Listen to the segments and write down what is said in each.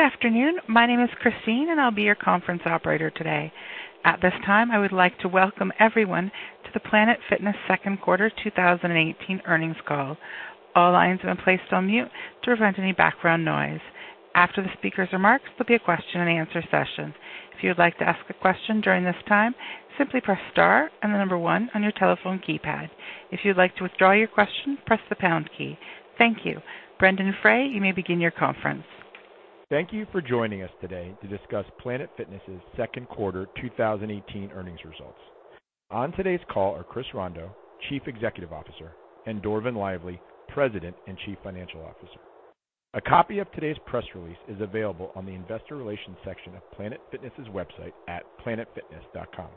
Good afternoon. My name is Christine, I'll be your conference operator today. At this time, I would like to welcome everyone to the Planet Fitness Second Quarter 2018 Earnings Call. All lines have been placed on mute to prevent any background noise. After the speakers' remarks, there'll be a question and answer session. If you would like to ask a question during this time, simply press star and the 1 on your telephone keypad. If you would like to withdraw your question, press the pound key. Thank you. Brendon Frey, you may begin your conference. Thank you for joining us today to discuss Planet Fitness' second quarter 2018 earnings results. On today's call are Chris Rondeau, Chief Executive Officer, and Dorvin Lively, President and Chief Financial Officer. A copy of today's press release is available on the investor relations section of Planet Fitness' website at planetfitness.com.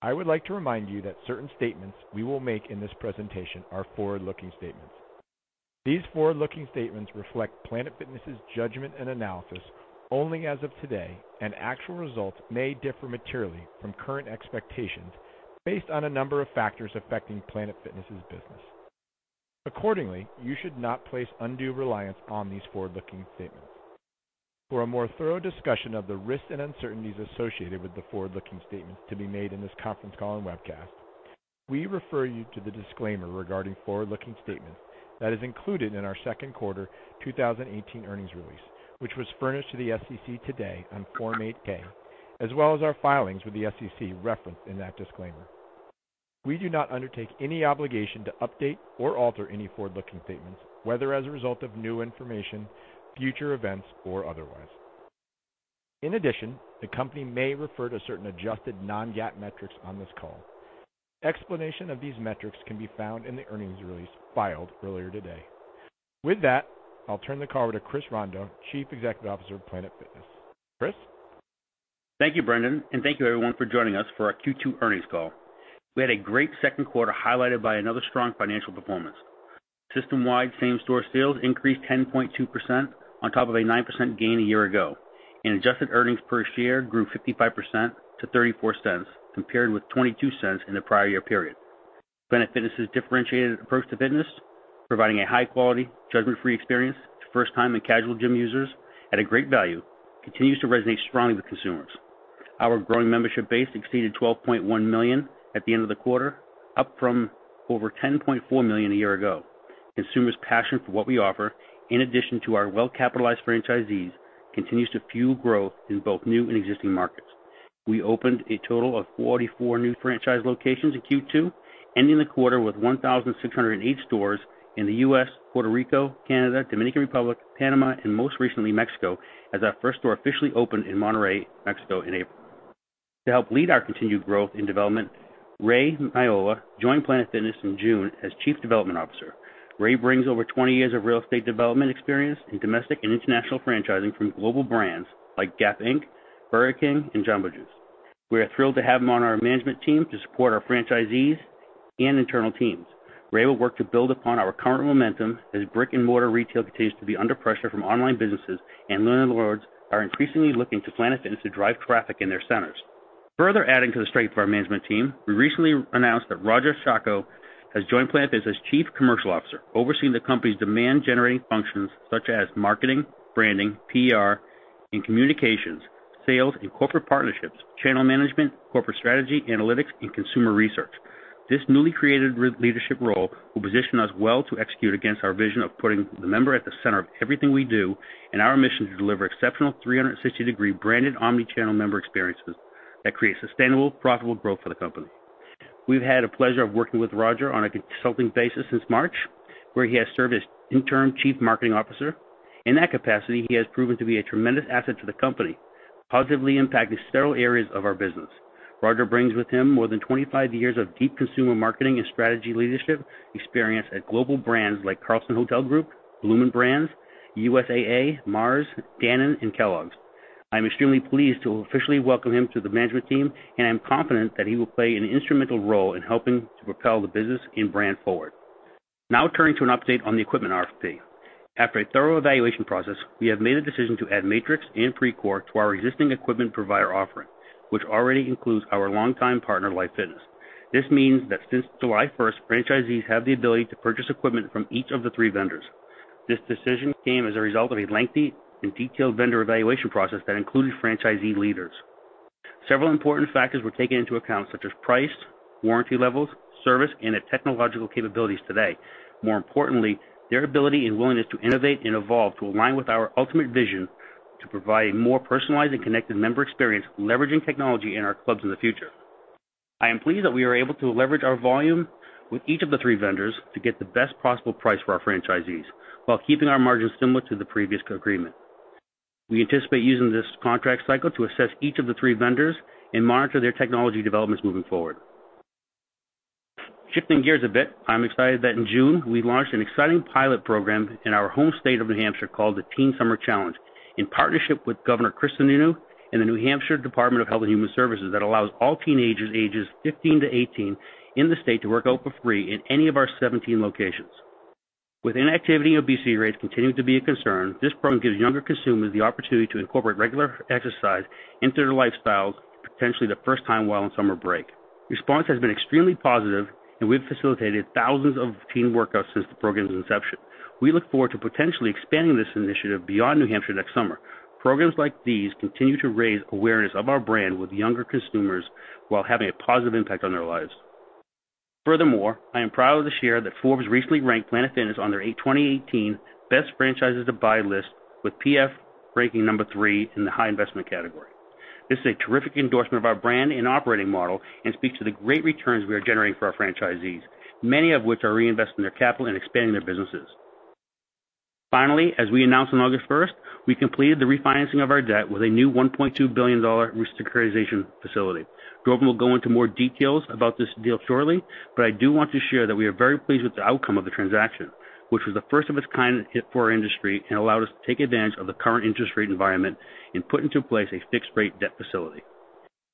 I would like to remind you that certain statements we will make in this presentation are forward-looking statements. These forward-looking statements reflect Planet Fitness' judgment and analysis only as of today, actual results may differ materially from current expectations based on a number of factors affecting Planet Fitness' business. Accordingly, you should not place undue reliance on these forward-looking statements. For a more thorough discussion of the risks and uncertainties associated with the forward-looking statements to be made in this conference call and webcast, we refer you to the disclaimer regarding forward-looking statements that is included in our second quarter 2018 earnings release, which was furnished to the SEC today on Form 8-K, as well as our filings with the SEC referenced in that disclaimer. We do not undertake any obligation to update or alter any forward-looking statements, whether as a result of new information, future events, or otherwise. In addition, the company may refer to certain adjusted non-GAAP metrics on this call. Explanation of these metrics can be found in the earnings release filed earlier today. With that, I'll turn the call over to Chris Rondeau, Chief Executive Officer of Planet Fitness. Chris? Thank you, Brendon, thank you everyone for joining us for our Q2 earnings call. We had a great second quarter highlighted by another strong financial performance. System-wide same-store sales increased 10.2% on top of a 9% gain a year ago, adjusted earnings per share grew 55% to $0.34 compared with $0.22 in the prior year period. Planet Fitness' differentiated approach to fitness, providing a high quality, Judgement Free experience to first time and casual gym users at a great value, continues to resonate strongly with consumers. Our growing membership base exceeded 12.1 million at the end of the quarter, up from over 10.4 million a year ago. Consumers' passion for what we offer, in addition to our well-capitalized franchisees, continues to fuel growth in both new and existing markets. We opened a total of 44 new franchise locations in Q2, ending the quarter with 1,608 stores in the U.S., Puerto Rico, Canada, Dominican Republic, Panama, and most recently Mexico, as our first store officially opened in Monterrey, Mexico in April. To help lead our continued growth and development, Ray Miolla joined Planet Fitness in June as Chief Development Officer. Ray brings over 20 years of real estate development experience in domestic and international franchising for global brands like Gap Inc., Burger King, and Jamba Juice. We are thrilled to have him on our management team to support our franchisees and internal teams. Ray will work to build upon our current momentum as brick and mortar retail continues to be under pressure from online businesses, and landlords are increasingly looking to Planet Fitness to drive traffic in their centers. Further adding to the strength of our management team, we recently announced that Roger Zacko has joined Planet Fitness as Chief Commercial Officer, overseeing the company's demand generating functions such as marketing, branding, PR and communications, sales and corporate partnerships, channel management, corporate strategy, analytics, and consumer research. This newly created leadership role will position us well to execute against our vision of putting the member at the center of everything we do and our mission to deliver exceptional 360-degree branded omni-channel member experiences that create sustainable, profitable growth for the company. We've had a pleasure of working with Roger on a consulting basis since March, where he has served as interim Chief Marketing Officer. In that capacity, he has proven to be a tremendous asset to the company, positively impacting several areas of our business. Roger brings with him more than 25 years of deep consumer marketing and strategy leadership experience at global brands like Radisson Hotel Group, Bloomin' Brands, USAA, Mars, Danone, and Kellogg's. I am extremely pleased to officially welcome him to the management team, and I am confident that he will play an instrumental role in helping to propel the business and brand forward. Now turning to an update on the equipment RFP. After a thorough evaluation process, we have made a decision to add Matrix and Precor to our existing equipment provider offering, which already includes our longtime partner, Life Fitness. This means that since July 1st, franchisees have the ability to purchase equipment from each of the three vendors. This decision came as a result of a lengthy and detailed vendor evaluation process that included franchisee leaders. Several important factors were taken into account, such as price, warranty levels, service, and the technological capabilities today. More importantly, their ability and willingness to innovate and evolve to align with our ultimate vision to provide a more personalized and connected member experience leveraging technology in our clubs in the future. I am pleased that we are able to leverage our volume with each of the three vendors to get the best possible price for our franchisees while keeping our margins similar to the previous agreement. We anticipate using this contract cycle to assess each of the three vendors and monitor their technology developments moving forward. Shifting gears a bit, I'm excited that in June, we launched an exciting pilot program in our home state of New Hampshire called the Teen Summer Challenge, in partnership with Governor Chris Sununu and the New Hampshire Department of Health and Human Services that allows all teenagers ages 15 to 18 in the state to work out for free in any of our 17 locations. With inactivity and obesity rates continuing to be a concern, this program gives younger consumers the opportunity to incorporate regular exercise into their lifestyles potentially the first time while on summer break. Response has been extremely positive, we've facilitated thousands of teen workouts since the program's inception. We look forward to potentially expanding this initiative beyond New Hampshire next summer. Programs like these continue to raise awareness of our brand with younger consumers while having a positive impact on their lives. Furthermore, I am proud to share that Forbes recently ranked Planet Fitness on their 2018 Best Franchises to Buy list, with PF ranking number 3 in the high investment category. This is a terrific endorsement of our brand and operating model and speaks to the great returns we are generating for our franchisees, many of which are reinvesting their capital and expanding their businesses. Finally, as we announced on August 1st, we completed the refinancing of our debt with a new $1.2 billion securitization facility. Dorvin will go into more details about this deal shortly, I do want to share that we are very pleased with the outcome of the transaction, which was the first of its kind for our industry and allowed us to take advantage of the current interest rate environment and put into place a fixed-rate debt facility.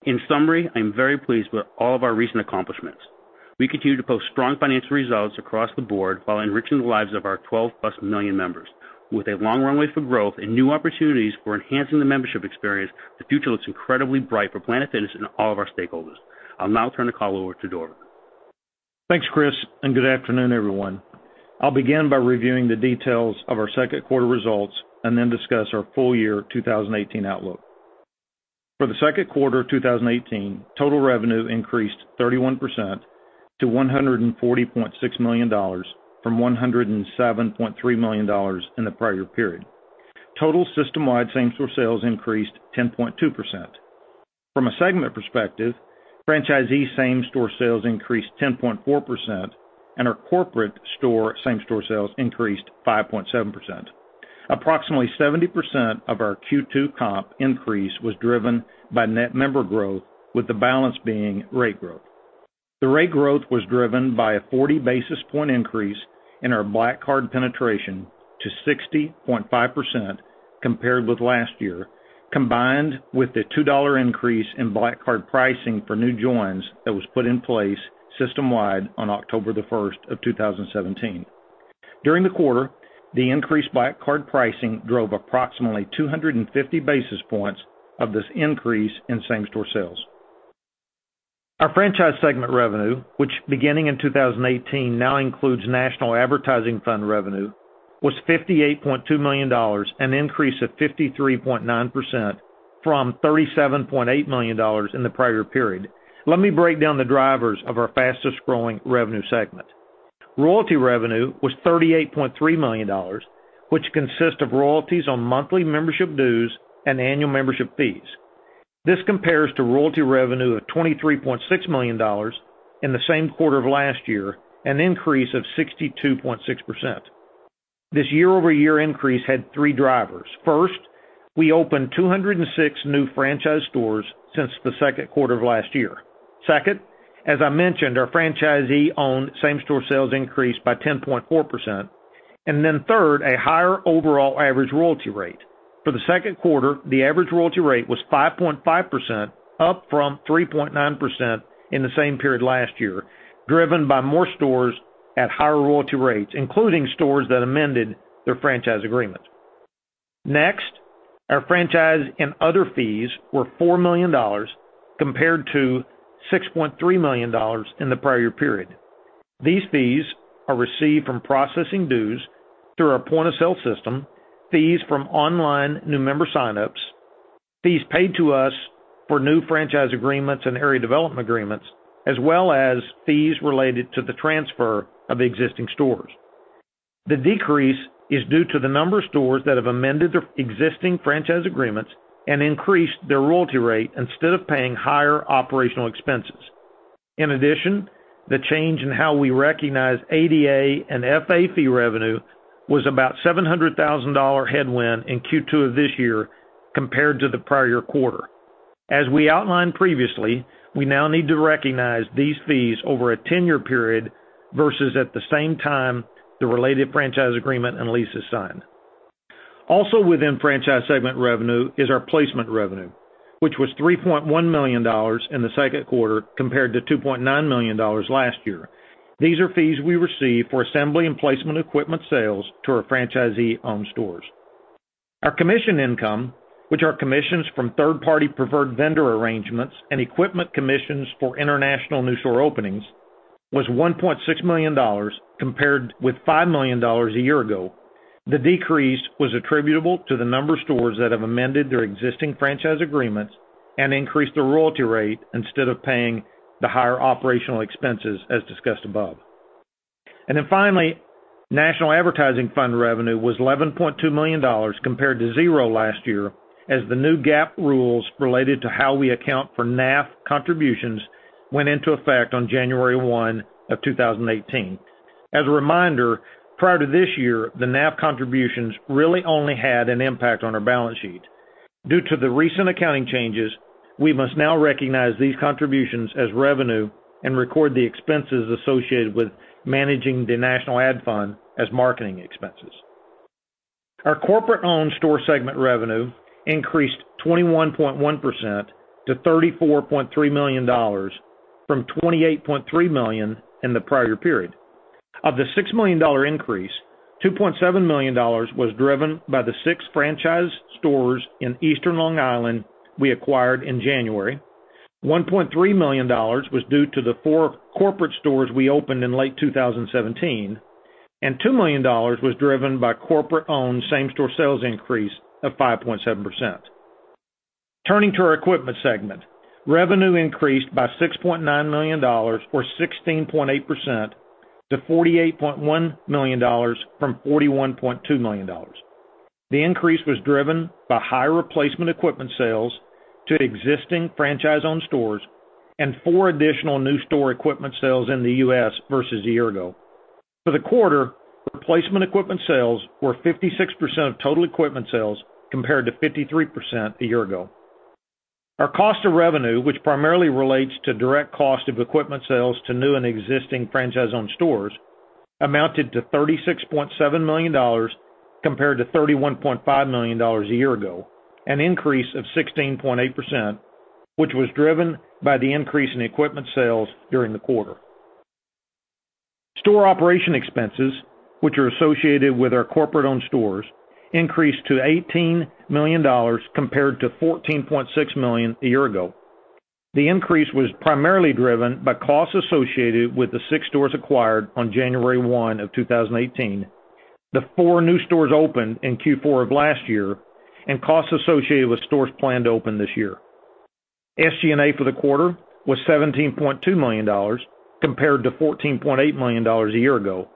In summary, I'm very pleased with all of our recent accomplishments. We continue to post strong financial results across the board while enriching the lives of our 12-plus million members. With a long runway for growth and new opportunities for enhancing the membership experience, the future looks incredibly bright for Planet Fitness and all of our stakeholders. I'll now turn the call over to Dorvin. Thanks, Chris, good afternoon, everyone. I'll begin by reviewing the details of our second quarter results then discuss our full year 2018 outlook. For the second quarter of 2018, total revenue increased 31% to $140.6 million from $107.3 million in the prior period. Total system-wide same-store sales increased 10.2%. From a segment perspective, franchisee same-store sales increased 10.4%, our corporate store same-store sales increased 5.7%. Approximately 70% of our Q2 comp increase was driven by net member growth, with the balance being rate growth. The rate growth was driven by a 40-basis point increase in our Black Card penetration to 60.5% compared with last year, combined with the $2 increase in Black Card pricing for new joins that was put in place system-wide on October 1st, 2017. During the quarter, the increased Black Card pricing drove approximately 250 basis points of this increase in same-store sales. Our franchise segment revenue, which beginning in 2018 now includes national advertising fund revenue, was $58.2 million, an increase of 53.9% from $37.8 million in the prior period. Let me break down the drivers of our fastest-growing revenue segment. Royalty revenue was $38.3 million, which consists of royalties on monthly membership dues and annual membership fees. This compares to royalty revenue of $23.6 million in the same quarter of last year, an increase of 62.6%. This year-over-year increase had three drivers. First, we opened 206 new franchise stores since the second quarter of last year. Second, as I mentioned, our franchisee-owned same-store sales increased by 10.4%. Third, a higher overall average royalty rate. For the second quarter, the average royalty rate was 5.5%, up from 3.9% in the same period last year, driven by more stores at higher royalty rates, including stores that amended their franchise agreement. Our franchise and other fees were $4 million, compared to $6.3 million in the prior period. These fees are received from processing dues through our point-of-sale system, fees from online new member sign-ups, fees paid to us for new franchise agreements and area development agreements, as well as fees related to the transfer of existing stores. The decrease is due to the number of stores that have amended their existing franchise agreements and increased their royalty rate instead of paying higher operational expenses. In addition, the change in how we recognize ADA and FA fee revenue was about $700,000 headwind in Q2 of this year compared to the prior year quarter. As we outlined previously, we now need to recognize these fees over a 10-year period versus at the same time the related franchise agreement and leases sign. Within franchise segment revenue is our placement revenue, which was $3.1 million in the second quarter compared to $2.9 million last year. These are fees we receive for assembly and placement equipment sales to our franchisee-owned stores. Our commission income, which are commissions from third-party preferred vendor arrangements and equipment commissions for international new store openings, was $1.6 million, compared with $5 million a year ago. The decrease was attributable to the number of stores that have amended their existing franchise agreements and increased the royalty rate instead of paying the higher operational expenses, as discussed above. Finally, national advertising fund revenue was $11.2 million compared to zero last year as the new GAAP rules related to how we account for NAF contributions went into effect on January 1, 2018. As a reminder, prior to this year, the NAF contributions really only had an impact on our balance sheet. Due to the recent accounting changes, we must now recognize these contributions as revenue and record the expenses associated with managing the national ad fund as marketing expenses. Our corporate-owned store segment revenue increased 21.1% to $34.3 million from $28.3 million in the prior period. Of the $6 million increase, $2.7 million was driven by the six franchise stores in Eastern Long Island we acquired in January, $1.3 million was due to the four corporate stores we opened in late 2017, and $2 million was driven by corporate-owned same-store sales increase of 5.7%. Turning to our equipment segment, revenue increased by $6.9 million or 16.8% to $48.1 million from $41.2 million. The increase was driven by higher replacement equipment sales to existing franchise owned stores and four additional new store equipment sales in the U.S. versus a year ago. For the quarter, replacement equipment sales were 56% of total equipment sales, compared to 53% a year ago. Our cost of revenue, which primarily relates to direct cost of equipment sales to new and existing franchise owned stores, amounted to $36.7 million compared to $31.5 million a year ago, an increase of 16.8%, which was driven by the increase in equipment sales during the quarter. Store operation expenses, which are associated with our corporate-owned stores, increased to $18 million compared to $14.6 million a year ago. The increase was primarily driven by costs associated with the six stores acquired on January 1 of 2018, the four new stores opened in Q4 of last year, and costs associated with stores planned to open this year. SG&A for the quarter was $17.2 million, compared to $14.8 million a year ago.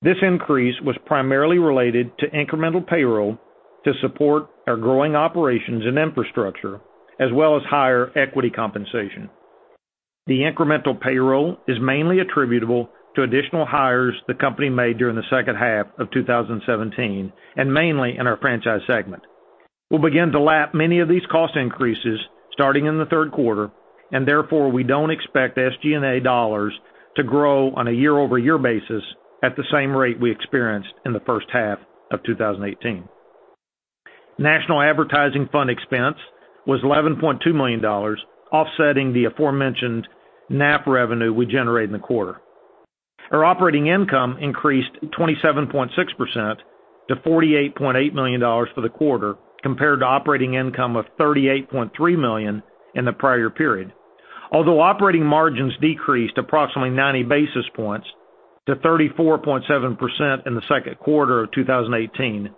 This increase was primarily related to incremental payroll to support our growing operations and infrastructure, as well as higher equity compensation. The incremental payroll is mainly attributable to additional hires the company made during the second half of 2017, and mainly in our franchise segment. We'll begin to lap many of these cost increases starting in the third quarter. Therefore, we don't expect SG&A dollars to grow on a year-over-year basis at the same rate we experienced in the first half of 2018. National Advertising Fund expense was $11.2 million, offsetting the aforementioned NAF revenue we generated in the quarter. Our operating income increased 27.6% to $48.8 million for the quarter, compared to operating income of $38.3 million in the prior period. Although operating margins decreased approximately 90 basis points to 34.7% in the second quarter of 2018,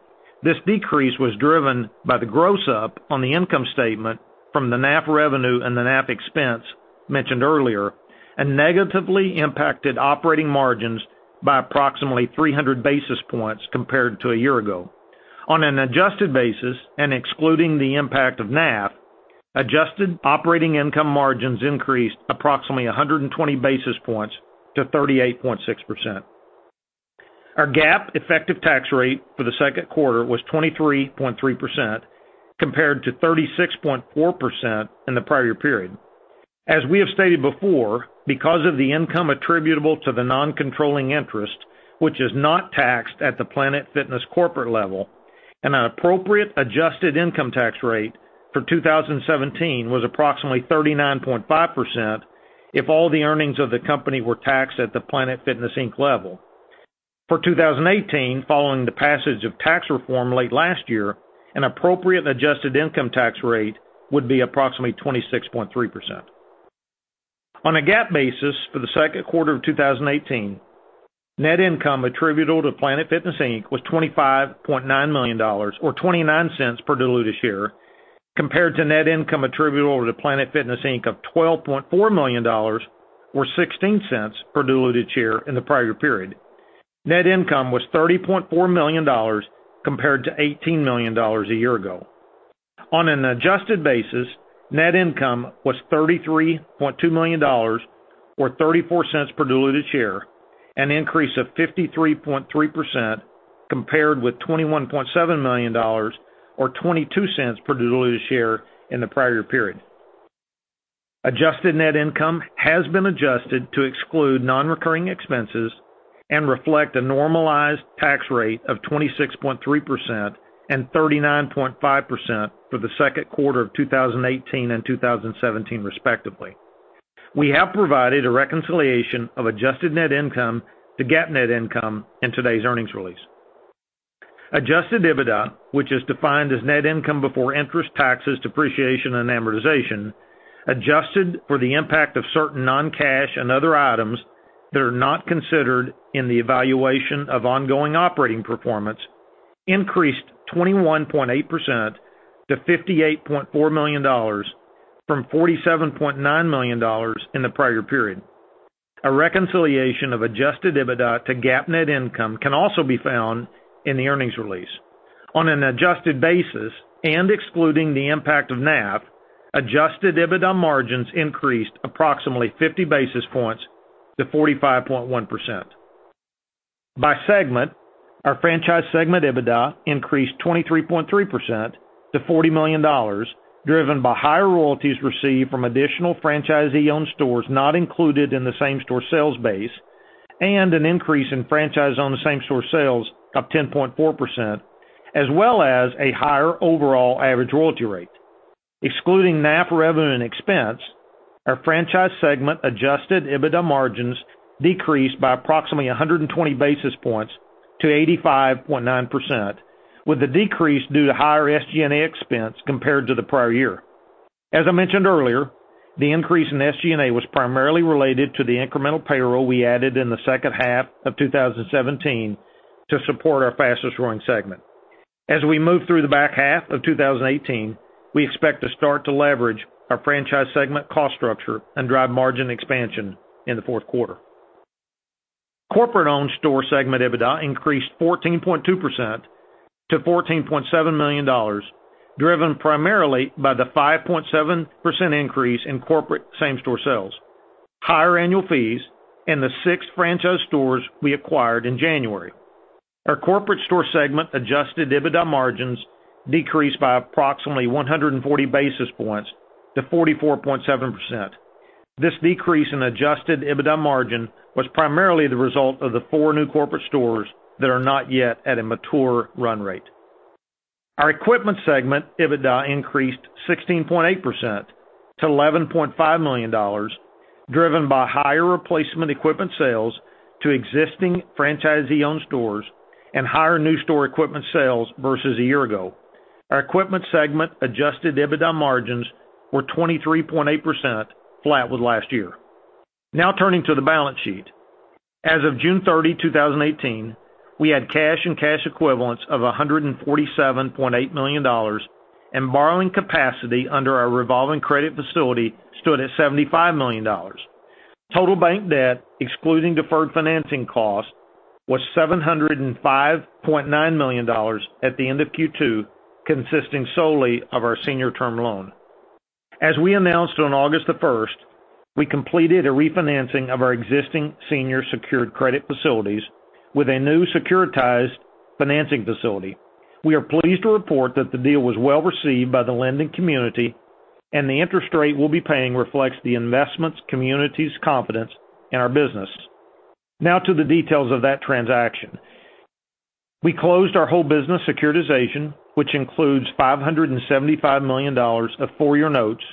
this decrease was driven by the gross-up on the income statement from the NAF revenue and the NAF expense mentioned earlier and negatively impacted operating margins by approximately 300 basis points compared to a year ago. On an adjusted basis and excluding the impact of NAF, adjusted operating income margins increased approximately 120 basis points to 38.6%. Our GAAP effective tax rate for the second quarter was 23.3%, compared to 36.4% in the prior period. As we have stated before, because of the income attributable to the non-controlling interest, which is not taxed at the Planet Fitness corporate level, an appropriate adjusted income tax rate for 2017 was approximately 39.5% if all the earnings of the company were taxed at the Planet Fitness Inc. level. For 2018, following the passage of tax reform late last year, an appropriate and adjusted income tax rate would be approximately 26.3%. On a GAAP basis for the second quarter of 2018, net income attributable to Planet Fitness Inc. was $25.9 million or $0.29 per diluted share, compared to net income attributable to Planet Fitness Inc. of $12.4 million or $0.16 per diluted share in the prior period. Net income was $30.4 million compared to $18 million a year ago. On an adjusted basis, net income was $33.2 million or $0.34 per diluted share, an increase of 53.3% compared with $21.7 million or $0.22 per diluted share in the prior period. Adjusted net income has been adjusted to exclude non-recurring expenses and reflect a normalized tax rate of 26.3% and 39.5% for the second quarter of 2018 and 2017, respectively. We have provided a reconciliation of adjusted net income to GAAP net income in today's earnings release. Adjusted EBITDA, which is defined as net income before interest, taxes, depreciation, and amortization, adjusted for the impact of certain non-cash and other items that are not considered in the evaluation of ongoing operating performance, increased 21.8% to $58.4 million from $47.9 million in the prior period. A reconciliation of adjusted EBITDA to GAAP net income can also be found in the earnings release. On an adjusted basis and excluding the impact of NAF, adjusted EBITDA margins increased approximately 50 basis points to 45.1%. By segment, our franchise segment EBITDA increased 23.3% to $40 million, driven by higher royalties received from additional franchisee-owned stores not included in the same-store sales base, and an increase in franchise owner same-store sales up 10.4%, as well as a higher overall average royalty rate. Excluding NAF revenue and expense, our franchise segment adjusted EBITDA margins decreased by approximately 120 basis points to 85.9%, with the decrease due to higher SG&A expense compared to the prior year. As I mentioned earlier, the increase in SG&A was primarily related to the incremental payroll we added in the second half of 2017 to support our fastest growing segment. As we move through the back half of 2018, we expect to start to leverage our franchise segment cost structure and drive margin expansion in the fourth quarter. Corporate owned store segment EBITDA increased 14.2% to $14.7 million, driven primarily by the 5.7% increase in corporate same-store sales, higher annual fees, and the six franchise stores we acquired in January. Our corporate store segment adjusted EBITDA margins decreased by approximately 140 basis points to 44.7%. This decrease in adjusted EBITDA margin was primarily the result of the four new corporate stores that are not yet at a mature run rate. Our equipment segment EBITDA increased 16.8% to $11.5 million, driven by higher replacement equipment sales to existing franchisee-owned stores and higher new store equipment sales versus a year ago. Our equipment segment adjusted EBITDA margins were 23.8%, flat with last year. Now turning to the balance sheet. As of June 30, 2018, we had cash and cash equivalents of $147.8 million, and borrowing capacity under our revolving credit facility stood at $75 million. Total bank debt, excluding deferred financing costs, was $705.9 million at the end of Q2, consisting solely of our senior term loan. As we announced on August the 1st, we completed a refinancing of our existing senior secured credit facilities with a new securitized financing facility. We are pleased to report that the deal was well-received by the lending community, and the interest rate we will be paying reflects the investments community's confidence in our business. Now to the details of that transaction. We closed our whole business securitization, which includes $575 million of four-year notes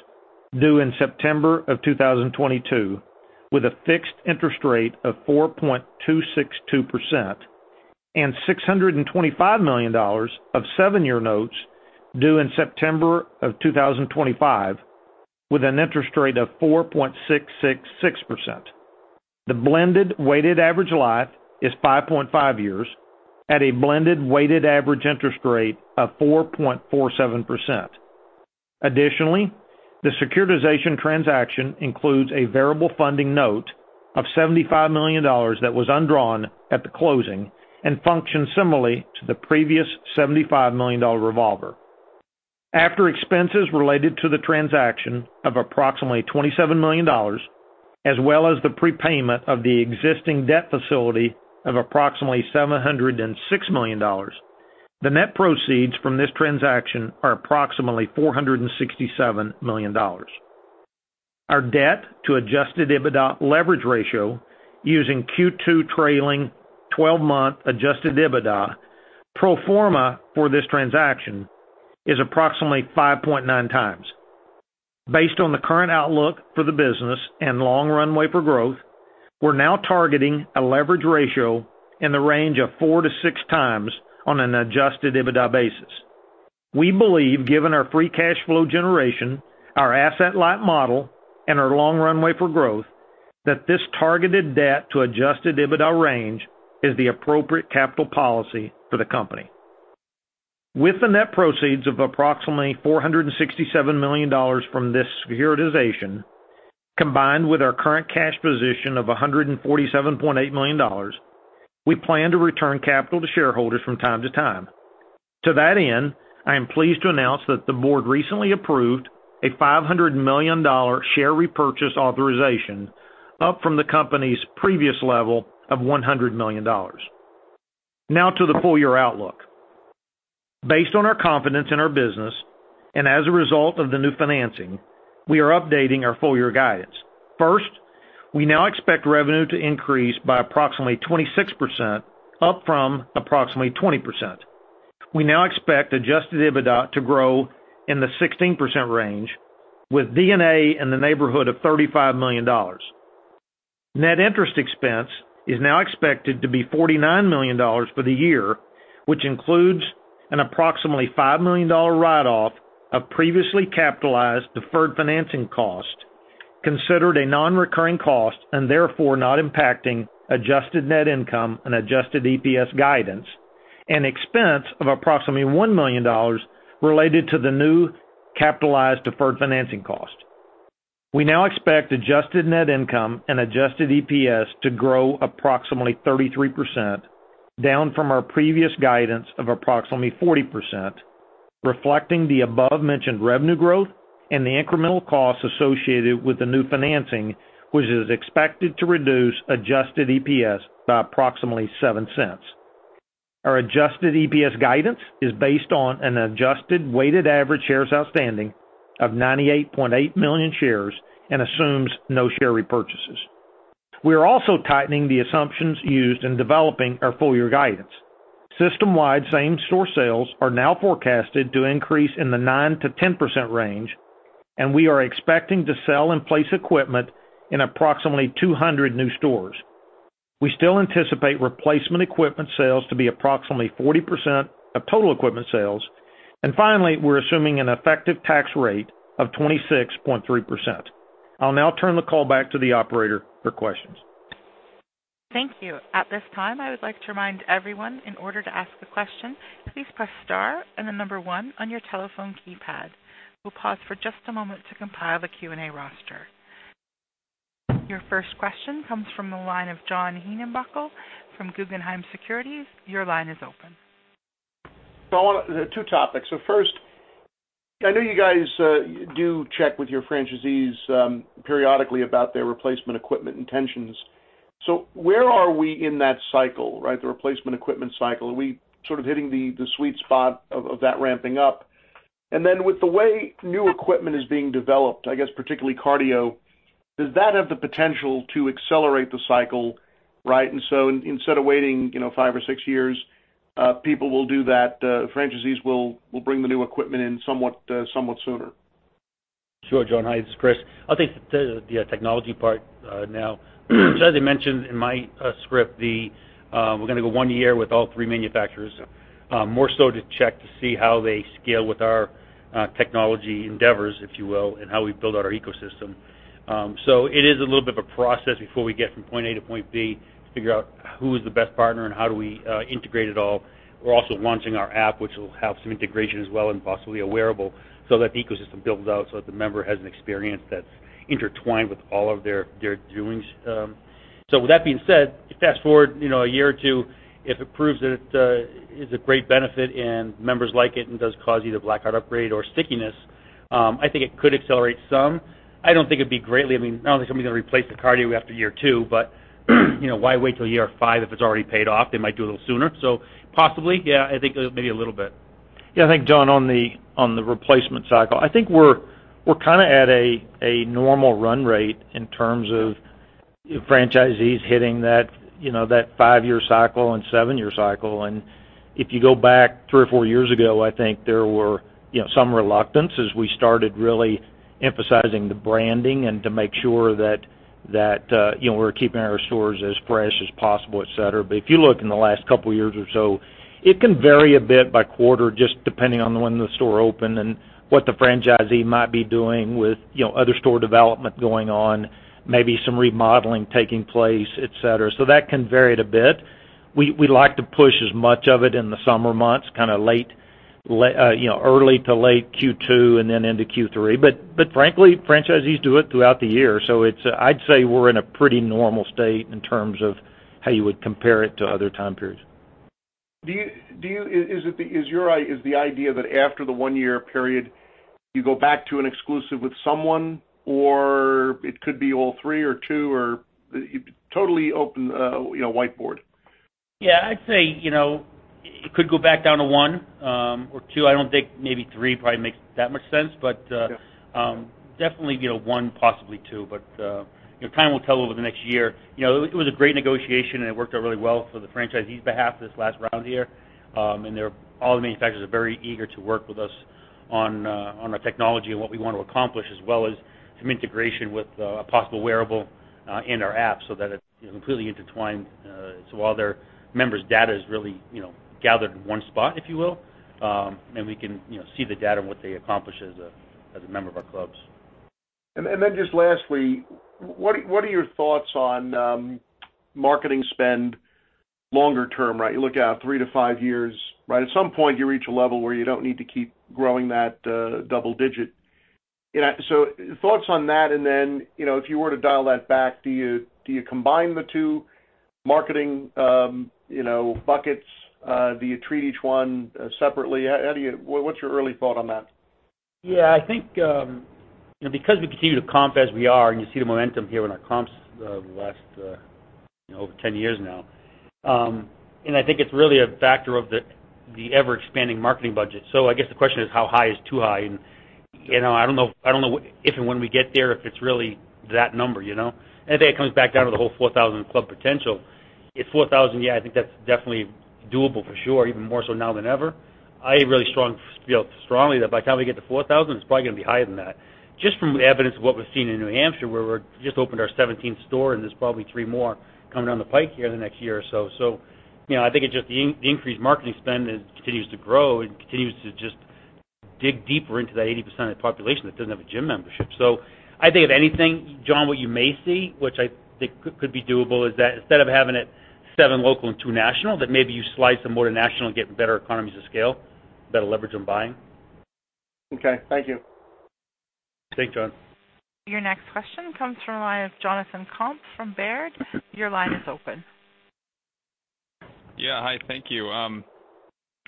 due in September of 2022 with a fixed interest rate of 4.262%, and $625 million of seven-year notes due in September of 2025 with an interest rate of 4.666%. The blended weighted average life is 5.5 years at a blended weighted average interest rate of 4.47%. Additionally, the securitization transaction includes a variable funding note of $75 million that was undrawn at the closing and functions similarly to the previous $75 million revolver. After expenses related to the transaction of approximately $27 million, as well as the prepayment of the existing debt facility of approximately $706 million, the net proceeds from this transaction are approximately $467 million. Our debt to adjusted EBITDA leverage ratio using Q2 trailing 12-month adjusted EBITDA pro forma for this transaction is approximately 5.9 times. Based on the current outlook for the business and long runway for growth, we are now targeting a leverage ratio in the range of four to six times on an adjusted EBITDA basis. We believe, given our free cash flow generation, our asset-light model, and our long runway for growth, that this targeted debt to adjusted EBITDA range is the appropriate capital policy for the company. With the net proceeds of approximately $467 million from this securitization, combined with our current cash position of $147.8 million, we plan to return capital to shareholders from time to time. To that end, I am pleased to announce that the board recently approved a $500 million share repurchase authorization, up from the company's previous level of $100 million. Now to the full year outlook. Based on our confidence in our business and as a result of the new financing, we are updating our full year guidance. First, we now expect revenue to increase by approximately 26%, up from approximately 20%. We now expect adjusted EBITDA to grow in the 16% range, with D&A in the neighborhood of $35 million. Net interest expense is now expected to be $49 million for the year, which includes an approximately $5 million write-off of previously capitalized deferred financing cost, considered a non-recurring cost and therefore not impacting adjusted net income and adjusted EPS guidance, and expense of approximately $1 million related to the new capitalized deferred financing cost. We now expect adjusted net income and adjusted EPS to grow approximately 33%, down from our previous guidance of approximately 40%, reflecting the above-mentioned revenue growth and the incremental costs associated with the new financing, which is expected to reduce adjusted EPS by approximately $0.07. Our adjusted EPS guidance is based on an adjusted weighted average shares outstanding of 98.8 million shares and assumes no share repurchases. We are also tightening the assumptions used in developing our full year guidance. System-wide same-store sales are now forecasted to increase in the 9%-10% range, and we are expecting to sell and place equipment in approximately 200 new stores. We still anticipate replacement equipment sales to be approximately 40% of total equipment sales. Finally, we are assuming an effective tax rate of 26.3%. I will now turn the call back to the operator for questions. Thank you. At this time, I would like to remind everyone, in order to ask a question, please press star and the number 1 on your telephone keypad. We'll pause for just a moment to compile a Q&A roster. Your first question comes from the line of John Heinbockel from Guggenheim Securities. Your line is open. Two topics. First, I know you guys do check with your franchisees periodically about their replacement equipment intentions. Where are we in that cycle, right? The replacement equipment cycle. Are we sort of hitting the sweet spot of that ramping up? With the way new equipment is being developed, I guess particularly cardio, does that have the potential to accelerate the cycle, right? Instead of waiting five or six years, people will do that, franchisees will bring the new equipment in somewhat sooner. Sure, John. Hi, this is Chris. I'll take the technology part now. As I mentioned in my script, we're going to go one year with all three manufacturers, more so to check to see how they scale with our technology endeavors, if you will, and how we build out our ecosystem. It is a little bit of a process before we get from point A to point B to figure out who's the best partner and how do we integrate it all. We're also launching our app, which will have some integration as well and possibly a wearable so that the ecosystem builds out so that the member has an experience that's intertwined with all of their doings. With that being said, you fast-forward a year or two, if it proves that it is a great benefit and members like it and does cause either Black Card upgrade or stickiness, I think it could accelerate some. I don't think it'd be greatly. I don't think somebody's going to replace the cardio after year two, but why wait till year five if it's already paid off? They might do a little sooner. Possibly, yeah, I think maybe a little bit. Yeah. I think, John, on the replacement cycle, I think we're kind of at a normal run rate in terms of franchisees hitting that five-year cycle and seven-year cycle. If you go back three or four years ago, I think there were some reluctance as we started really emphasizing the branding and to make sure that we're keeping our stores as fresh as possible, et cetera. If you look in the last couple of years or so, it can vary a bit by quarter just depending on when the store opened and what the franchisee might be doing with other store development going on, maybe some remodeling taking place, et cetera. That can vary it a bit. We like to push as much of it in the summer months, kind of early to late Q2, and then into Q3. Frankly, franchisees do it throughout the year. I'd say we're in a pretty normal state in terms of how you would compare it to other time periods. Is the idea that after the one-year period, you go back to an exclusive with someone, or it could be all three or two or it totally open whiteboard? Yeah, I'd say it could go back down to one or two. I don't think maybe three probably makes that much sense. Yeah. Definitely, one, possibly two. Time will tell over the next year. It was a great negotiation, and it worked out really well for the franchisees' behalf this last round here. All the manufacturers are very eager to work with us on our technology and what we want to accomplish as well as some integration with a possible wearable in our app so that it's completely intertwined. All their members' data is really gathered in one spot, if you will. We can see the data and what they accomplish as a member of our clubs. Just lastly, what are your thoughts on marketing spend longer term, right? You look out three to five years, right? At some point, you reach a level where you don't need to keep growing that double digit. Thoughts on that and then, if you were to dial that back, do you combine the two marketing buckets? Do you treat each one separately? What's your early thought on that? I think, because we continue to comp as we are, you see the momentum here in our comps the last over 10 years now. I think it's really a factor of the ever-expanding marketing budget. I guess the question is, how high is too high? I don't know if and when we get there, if it's really that number. I think it comes back down to the whole 4,000 club potential. If 4,000, yeah, I think that's definitely doable for sure, even more so now than ever. I feel strongly that by the time we get to 4,000, it's probably going to be higher than that. Just from evidence of what we've seen in New Hampshire, where we just opened our 17th store, there's probably three more coming down the pike here in the next year or so. I think it's just the increased marketing spend continues to grow and continues to just dig deeper into that 80% of the population that doesn't have a gym membership. I think if anything, John, what you may see, which I think could be doable, is that instead of having it seven local and two national, that maybe you slide some more to national and get better economies of scale, better leverage on buying. Okay. Thank you. Thanks, John. Your next question comes from the line of Jonathan Komp from Baird. Your line is open. Hi, thank you.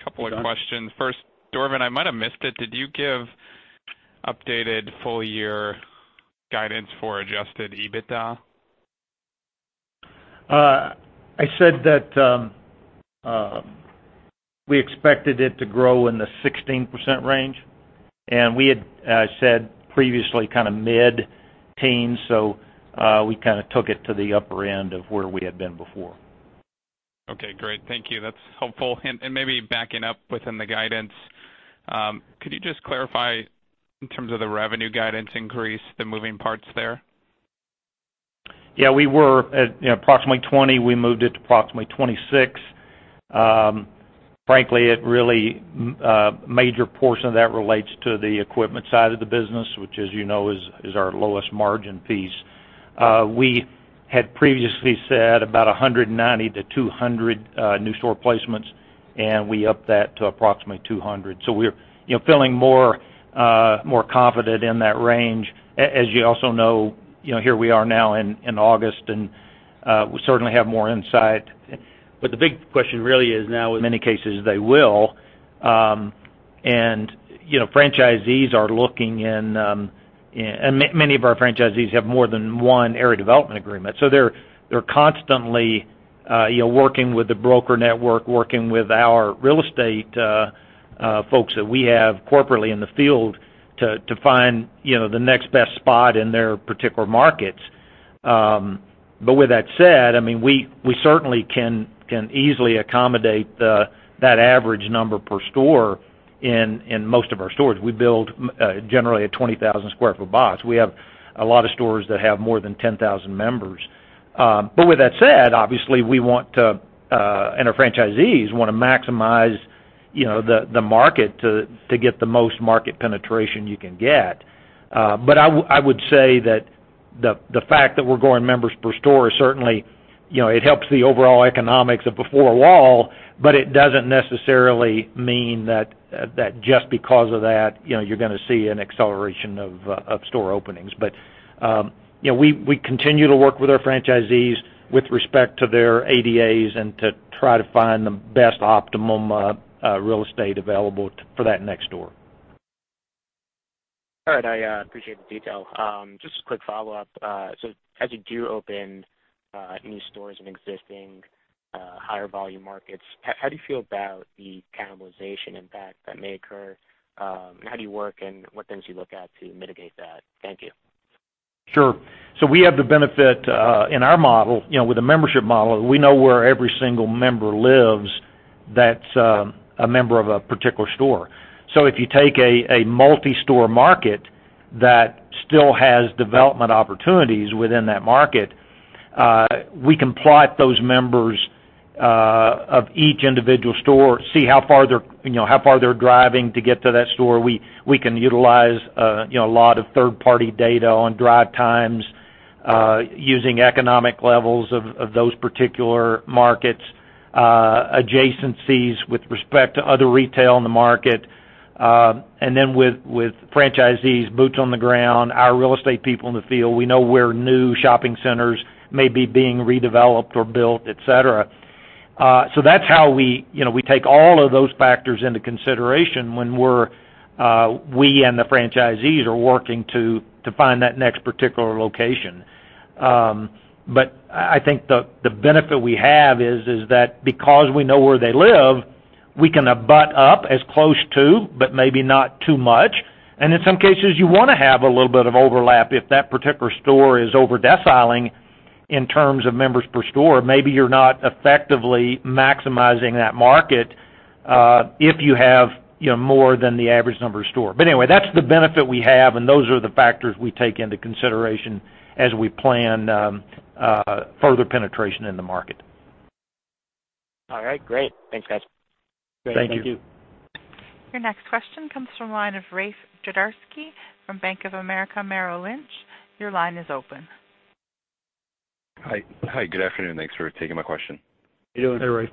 Couple of questions. First, Dorvin, I might have missed it. Did you give updated full-year guidance for adjusted EBITDA? I said that We expected it to grow in the 16% range, and we had said previously mid-teens, so we took it to the upper end of where we had been before. Okay, great. Thank you. That's helpful. Maybe backing up within the guidance, could you just clarify in terms of the revenue guidance increase, the moving parts there? Yeah. We were at approximately 20. We moved it to approximately 26. Frankly, a major portion of that relates to the equipment side of the business, which as you know, is our lowest margin piece. We had previously said about 190 to 200 new store placements, and we upped that to approximately 200. We're feeling more confident in that range. As you also know, here we are now in August, and we certainly have more insight. The big question really is now. In many cases, they will. Many of our franchisees have more than one area development agreement. They're constantly working with the broker network, working with our real estate folks that we have corporately in the field to find the next best spot in their particular markets. With that said, we certainly can easily accommodate that average number per store in most of our stores. We build generally a 20,000 sq ft box. We have a lot of stores that have more than 10,000 members. With that said, obviously, and our franchisees want to maximize the market to get the most market penetration you can get. I would say that the fact that we're growing members per store certainly helps the overall economics of a four wall, but it doesn't necessarily mean that just because of that you're going to see an acceleration of store openings. We continue to work with our franchisees with respect to their ADAs and to try to find the best optimum real estate available for that next store. I appreciate the detail. Just a quick follow-up. As you do open new stores in existing higher volume markets, how do you feel about the cannibalization impact that may occur? How do you work and what things do you look at to mitigate that? Thank you. Sure. We have the benefit in our model, with a membership model, we know where every single member lives that's a member of a particular store. If you take a multi-store market that still has development opportunities within that market, we can plot those members of each individual store, see how far they're driving to get to that store. We can utilize a lot of third-party data on drive times, using economic levels of those particular markets, adjacencies with respect to other retail in the market. Then with franchisees, boots on the ground, our real estate people in the field, we know where new shopping centers may be being redeveloped or built, et cetera. We take all of those factors into consideration when we and the franchisees are working to find that next particular location. I think the benefit we have is that because we know where they live, we can abut up as close to, but maybe not too much. In some cases, you want to have a little bit of overlap. If that particular store is over deciling in terms of members per store, maybe you're not effectively maximizing that market if you have more than the average number of stores. Anyway, that's the benefit we have, and those are the factors we take into consideration as we plan further penetration in the market. All right, great. Thanks, guys. Thank you. Thank you. Your next question comes from the line of Raif Jadasi from Bank of America Merrill Lynch. Your line is open. Hi, good afternoon. Thanks for taking my question. How you doing?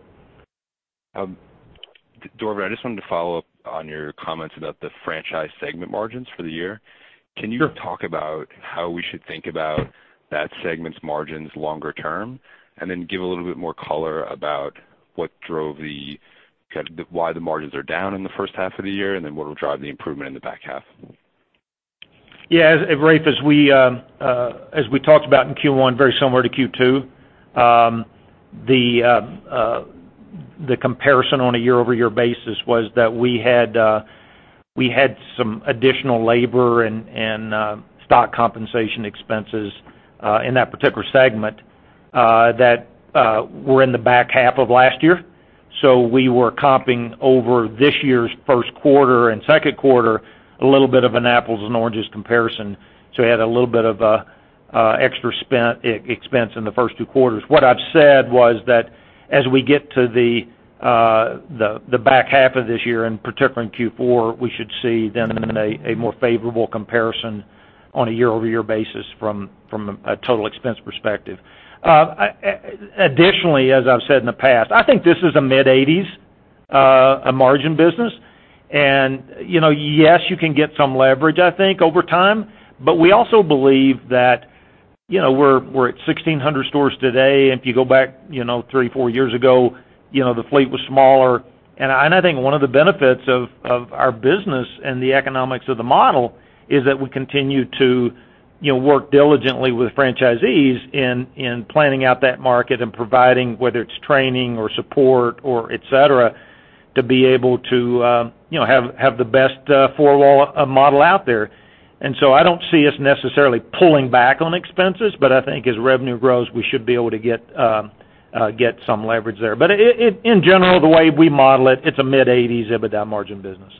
Hey, Raif. Dorvin, I just wanted to follow up on your comments about the franchise segment margins for the year. Sure. Can you talk about how we should think about that segment's margins longer term, and then give a little bit more color about why the margins are down in the first half of the year, and then what will drive the improvement in the back half? Yeah, Raif, as we talked about in Q1, very similar to Q2, the comparison on a year-over-year basis was that we had some additional labor and stock compensation expenses in that particular segment that were in the back half of last year. We were comping over this year's first quarter and second quarter, a little bit of an apples and oranges comparison. We had a little bit of extra expense in the first two quarters. What I've said was that as we get to the back half of this year, and particularly in Q4, we should see then a more favorable comparison on a year-over-year basis from a total expense perspective. Additionally, as I've said in the past, I think this is a mid-80s margin business. Yes, you can get some leverage, I think, over time, but we also believe that we're at 1,600 stores today. If you go back three, four years ago, the fleet was smaller. I think one of the benefits of our business and the economics of the model is that we continue to work diligently with franchisees in planning out that market and providing, whether it's training or support or et cetera, to be able to have the best four-wall model out there. I don't see us necessarily pulling back on expenses, but I think as revenue grows, we should be able to get some leverage there. In general, the way we model it's a mid-80s EBITDA margin business.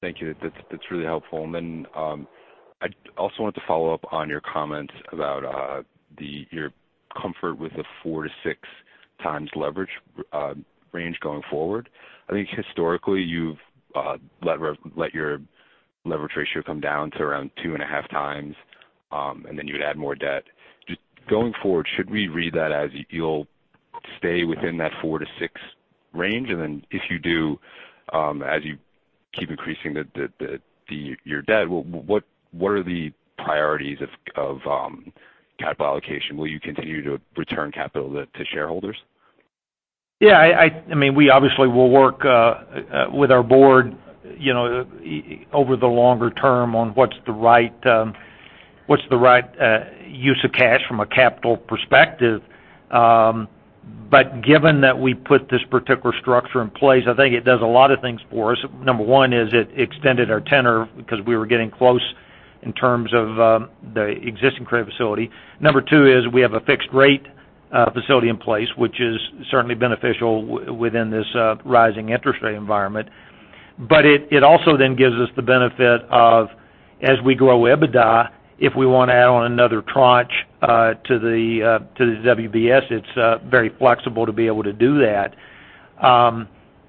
Thank you. That's really helpful. I also wanted to follow up on your comments about your comfort with the four to six times leverage range going forward. I think historically, you've let your leverage ratio come down to around two and a half times, you would add more debt. Just going forward, should we read that as you'll stay within that four to six range? If you do, as you keep increasing your debt, what are the priorities of capital allocation? Will you continue to return capital to shareholders? Yeah. We obviously will work with our board, over the longer term on what's the right use of cash from a capital perspective. Given that we put this particular structure in place, I think it does a lot of things for us. Number one is it extended our tenor because we were getting close in terms of the existing credit facility. Number two is we have a fixed rate facility in place, which is certainly beneficial within this rising interest rate environment. It also then gives us the benefit of, as we grow EBITDA, if we want to add on another tranche to the WBS, it's very flexible to be able to do that.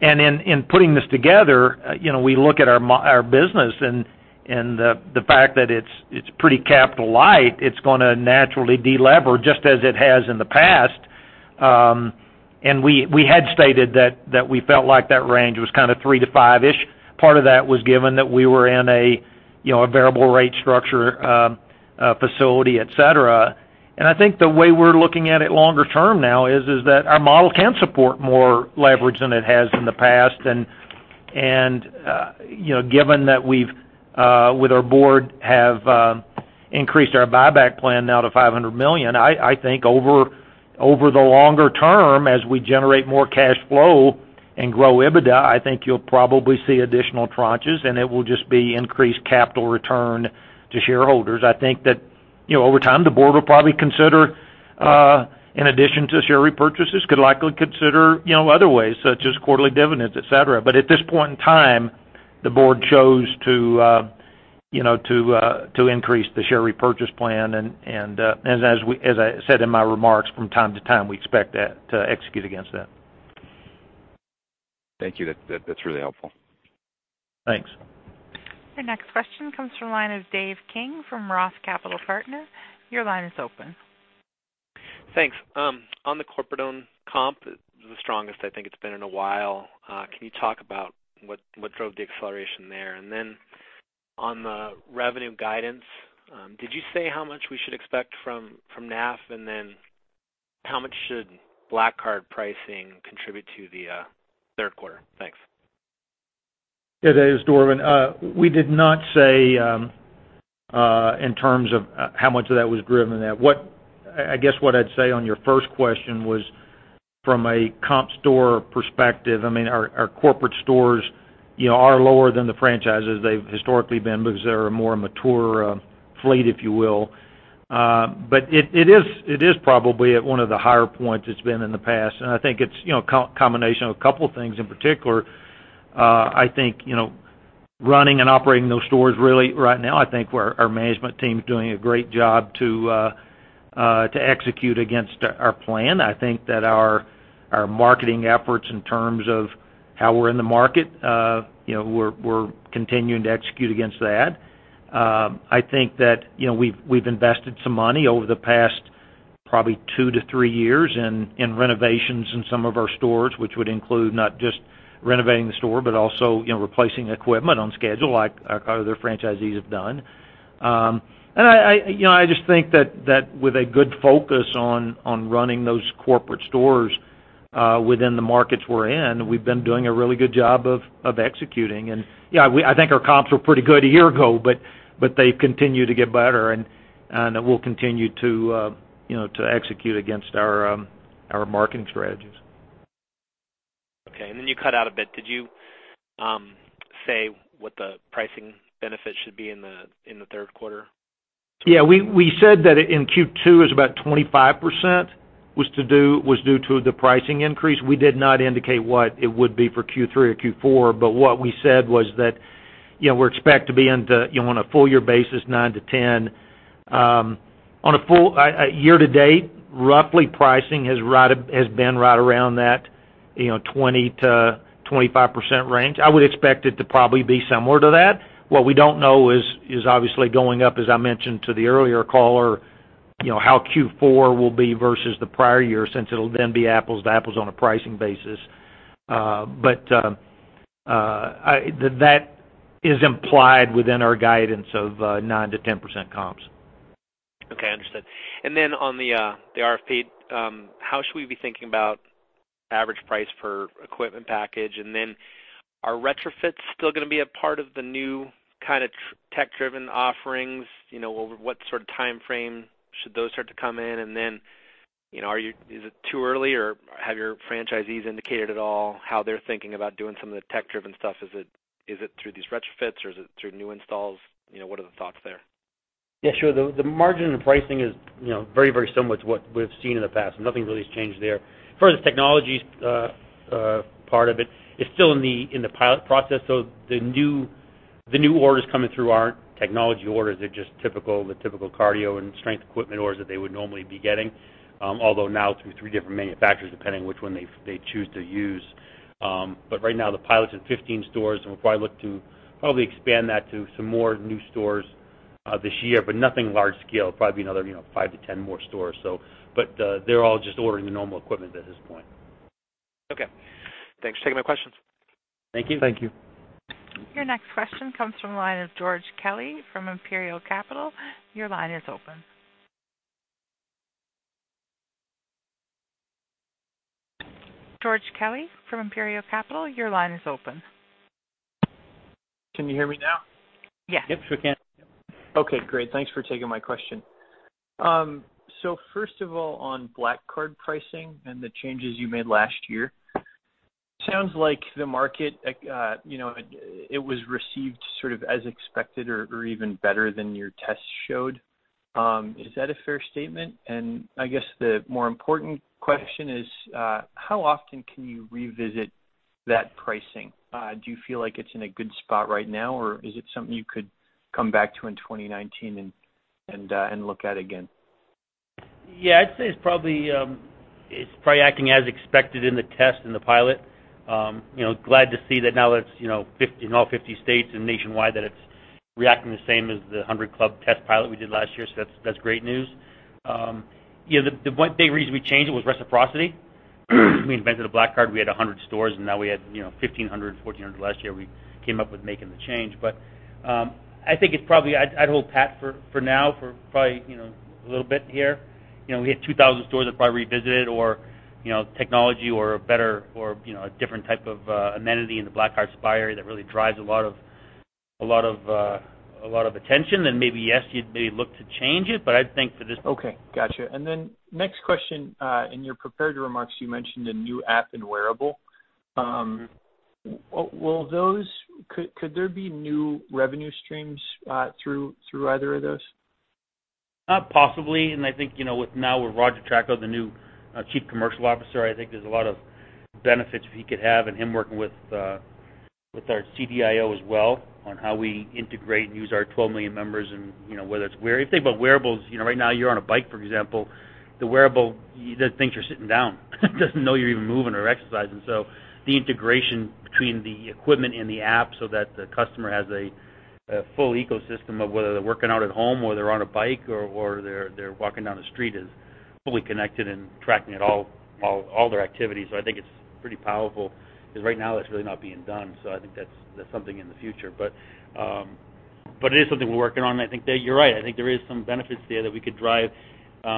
In putting this together, we look at our business and the fact that it's pretty capital light, it's going to naturally de-leverage, just as it has in the past. We had stated that we felt like that range was kind of three to five-ish. Part of that was given that we were in a variable rate structure, facility, et cetera. I think the way we're looking at it longer term now is that our model can support more leverage than it has in the past. Given that we've, with our board, have increased our buyback plan now to $500 million, I think over the longer term, as we generate more cash flow and grow EBITDA, I think you'll probably see additional tranches, and it will just be increased capital return to shareholders. I think that over time, the board will probably consider, in addition to share repurchases, could likely consider other ways, such as quarterly dividends, et cetera. At this point in time, the board chose to increase the share repurchase plan, as I said in my remarks, from time to time, we expect to execute against that. Thank you. That's really helpful. Thanks. Your next question comes from the line of David King from ROTH Capital Partners. Your line is open. Thanks. On the corporate-owned comp, the strongest I think it's been in a while, can you talk about what drove the acceleration there? On the revenue guidance, did you say how much we should expect from NAF, and then how much should Black Card pricing contribute to the third quarter? Thanks. Yeah, Dave, this is Dorvin. We did not say in terms of how much of that was driven. I guess what I'd say on your first question was from a comp store perspective, our corporate stores are lower than the franchises they've historically been because they're a more mature fleet, if you will. It is probably at one of the higher points it's been in the past, and I think it's a combination of a couple things. In particular, I think running and operating those stores really right now, I think our management team's doing a great job to execute against our plan. I think that our marketing efforts in terms of how we're in the market, we're continuing to execute against that. I think that we've invested some money over the past probably two to three years in renovations in some of our stores, which would include not just renovating the store, but also replacing equipment on schedule like our other franchisees have done. I just think that with a good focus on running those corporate stores within the markets we're in, we've been doing a really good job of executing. Yeah, I think our comps were pretty good a year ago, but they continue to get better, and we'll continue to execute against our marketing strategies. Okay. You cut out a bit. Did you say what the pricing benefit should be in the third quarter? Yeah. We said that in Q2 it was about 25% was due to the pricing increase. We did not indicate what it would be for Q3 or Q4, what we said was that we expect to be into, on a full year basis, 9%-10%. On a year-to-date, roughly, pricing has been right around that 20%-25% range. I would expect it to probably be similar to that. What we don't know is obviously going up, as I mentioned to the earlier caller, how Q4 will be versus the prior year since it'll then be apples to apples on a pricing basis. That is implied within our guidance of 9%-10% comp. Okay, understood. On the RFP, how should we be thinking about average price per equipment package? Are retrofits still going to be a part of the new kind of tech-driven offerings? Over what sort of timeframe should those start to come in? Is it too early, or have your franchisees indicated at all how they're thinking about doing some of the tech-driven stuff? Is it through these retrofits or is it through new installs? What are the thoughts there? Yeah, sure. The margin and the pricing is very similar to what we've seen in the past. Nothing really has changed there. As far as the technology part of it's still in the pilot process. The new orders coming through aren't technology orders. They're just the typical cardio and strength equipment orders that they would normally be getting. Although now through three different manufacturers, depending on which one they choose to use. Right now the pilot's in 15 stores, and we'll probably look to probably expand that to some more new stores this year, nothing large scale. It'll probably be another five to 10 more stores. They're all just ordering the normal equipment at this point. Okay. Thanks for taking my questions. Thank you. Thank you. Your next question comes from the line of George Kelly from Imperial Capital. Your line is open. George Kelly from Imperial Capital, your line is open. Can you hear me now? Yes. Yep, sure can. Okay, great. Thanks for taking my question. First of all, on Black Card pricing and the changes you made last year, sounds like the market, it was received sort of as expected or even better than your tests showed. Is that a fair statement? I guess the more important question is, how often can you revisit that pricing? Do you feel like it's in a good spot right now, or is it something you could come back to in 2019 and look at again? Yeah, I'd say it's probably acting as expected in the test in the pilot. Glad to see that now it's in all 50 states and nationwide, that it's reacting the same as the 100 club test pilot we did last year. I think it's probably, I'd hold pat for now for probably a little bit here. We hit 2,000 stores and probably revisit it or technology or a better or a different type of amenity in the Black Card spa area that really drives a lot of attention, then maybe yes, you'd maybe look to change it. Okay. Gotcha. Next question, in your prepared remarks, you mentioned a new app and wearable. Could there be new revenue streams through either of those? Possibly, I think, now with Roger Chacko, the new Chief Commercial Officer, I think there's a lot of benefits that he could have in him working with our CDIO as well, on how we integrate and use our 12 million members, if they bought wearables, right now you're on a bike, for example, the wearable thinks you're sitting down. It doesn't know you're even moving or exercising. The integration between the equipment and the app so that the customer has a full ecosystem of whether they're working out at home or they're on a bike or they're walking down the street, is fully connected and tracking it all their activities. I think it's pretty powerful, because right now that's really not being done. I think that's something in the future. It is something we're working on, I think that you're right. I think there is some benefits there that we could drive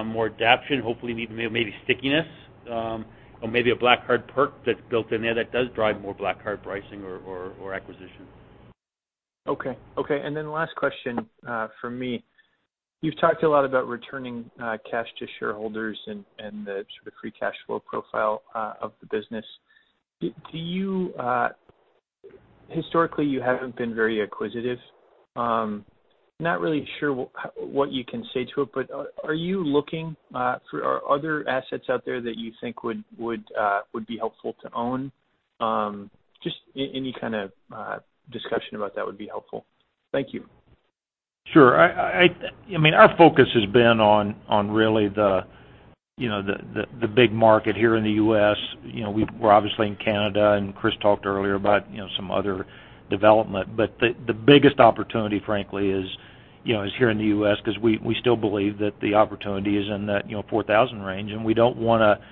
more adoption, hopefully even maybe stickiness, or maybe a Black Card perk that's built in there that does drive more Black Card pricing or acquisition. Okay. Last question from me. You've talked a lot about returning cash to shareholders and the sort of free cash flow profile of the business. Historically, you haven't been very acquisitive. Not really sure what you can say to it. Are you looking for other assets out there that you think would be helpful to own? Just any kind of discussion about that would be helpful. Thank you. Sure. Our focus has been on really the big market here in the U.S. We're obviously in Canada, and Chris talked earlier about some other development. The biggest opportunity, frankly, is here in the U.S. because we still believe that the opportunity is in that 4,000 range, and we don't want to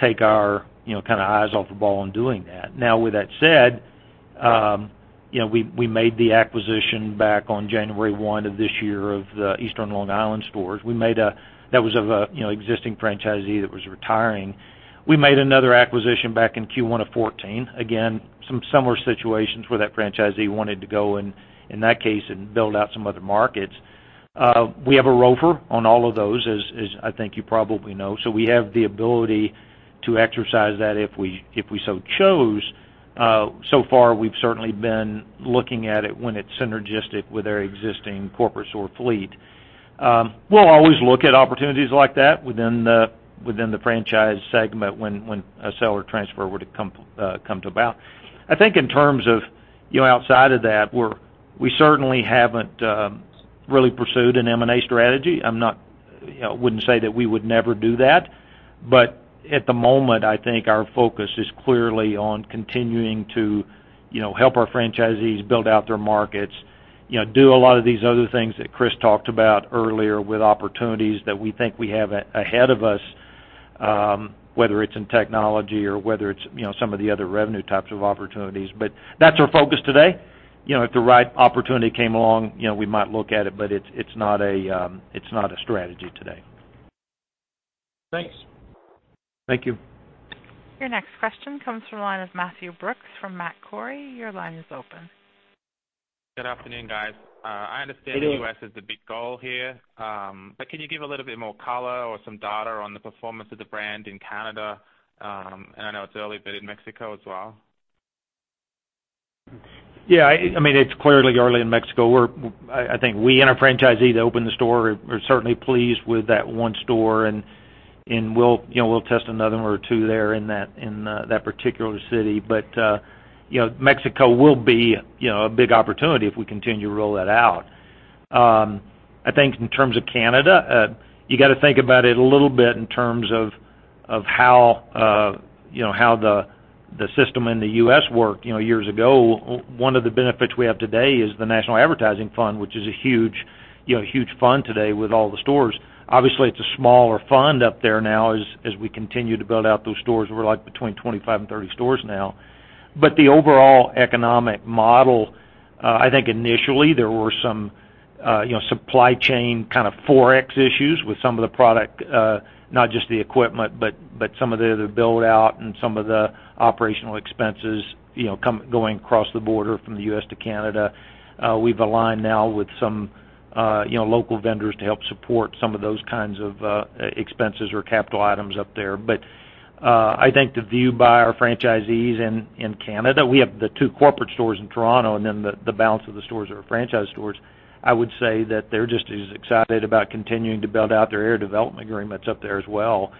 take our kind of eyes off the ball in doing that. With that said, we made the acquisition back on January 1 of this year of the Eastern Long Island stores. That was of an existing franchisee that was retiring. We made another acquisition back in Q1 of 2014. Again, some similar situations where that franchisee wanted to go in that case and build out some other markets. We have a ROFR on all of those, as I think you probably know. We have the ability to exercise that if we so chose. So far, we've certainly been looking at it when it's synergistic with our existing corporate store fleet. We'll always look at opportunities like that within the franchise segment when a seller transfer were to come to about. I think in terms of outside of that, we certainly haven't really pursued an M&A strategy. I wouldn't say that we would never do that. At the moment, I think our focus is clearly on continuing to help our franchisees build out their markets, do a lot of these other things that Chris talked about earlier with opportunities that we think we have ahead of us whether it's in technology or whether it's some of the other revenue types of opportunities. That's our focus today. If the right opportunity came along, we might look at it, but it's not a strategy today. Thanks. Thank you. Your next question comes from the line of Matthew Brooks from Macquarie. Your line is open. Good afternoon, guys. Good afternoon. I understand the U.S. is the big goal here. Can you give a little bit more color or some data on the performance of the brand in Canada, and I know it's early, but in Mexico as well? Yeah. It's clearly early in Mexico, where I think we and our franchisee that opened the store are certainly pleased with that one store, and we'll test another one or two there in that particular city. Mexico will be a big opportunity if we continue to roll that out. I think in terms of Canada, you got to think about it a little bit in terms of how the system in the U.S. worked years ago. One of the benefits we have today is the National Advertising Fund, which is a huge fund today with all the stores. Obviously, it's a smaller fund up there now as we continue to build out those stores. We're between 25 and 30 stores now. The overall economic model, I think initially there were some supply chain kind of Forex issues with some of the product, not just the equipment, but some of the other build-out and some of the operational expenses, going across the border from the U.S. to Canada. We've aligned now with some local vendors to help support some of those kinds of expenses or capital items up there. I think the view by our franchisees in Canada, we have the two corporate stores in Toronto, and then the balance of the stores are franchise stores. I would say that they're just as excited about continuing to build out their area development agreements up there as well.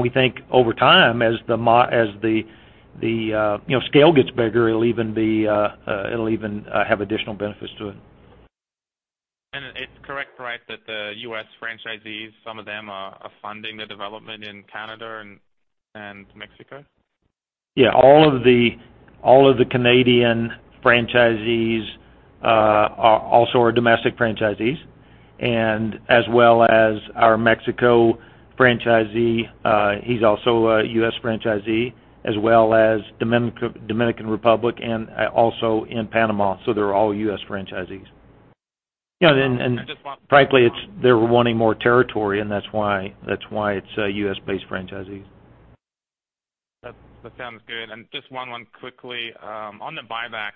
We think over time, as the scale gets bigger, it'll even have additional benefits to it. It's correct, right, that the U.S. franchisees, some of them are funding the development in Canada and Mexico? All of the Canadian franchisees are also our domestic franchisees and as well as our Mexico franchisee, he's also a U.S. franchisee, as well as Dominican Republic and also in Panama. They're all U.S. franchisees. I just want- Frankly, they were wanting more territory. That's why it's U.S.-based franchisees. That sounds good. Just one more quickly. On the buyback,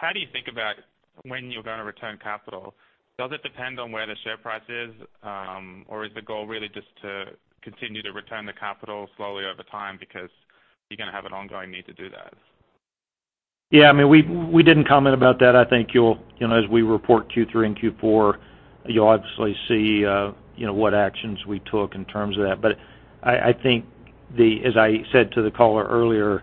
how do you think about when you're going to return capital? Does it depend on where the share price is? Is the goal really just to continue to return the capital slowly over time because you're going to have an ongoing need to do that? We didn't comment about that. I think as we report Q3 and Q4, you'll obviously see what actions we took in terms of that. I think, as I said to the caller earlier,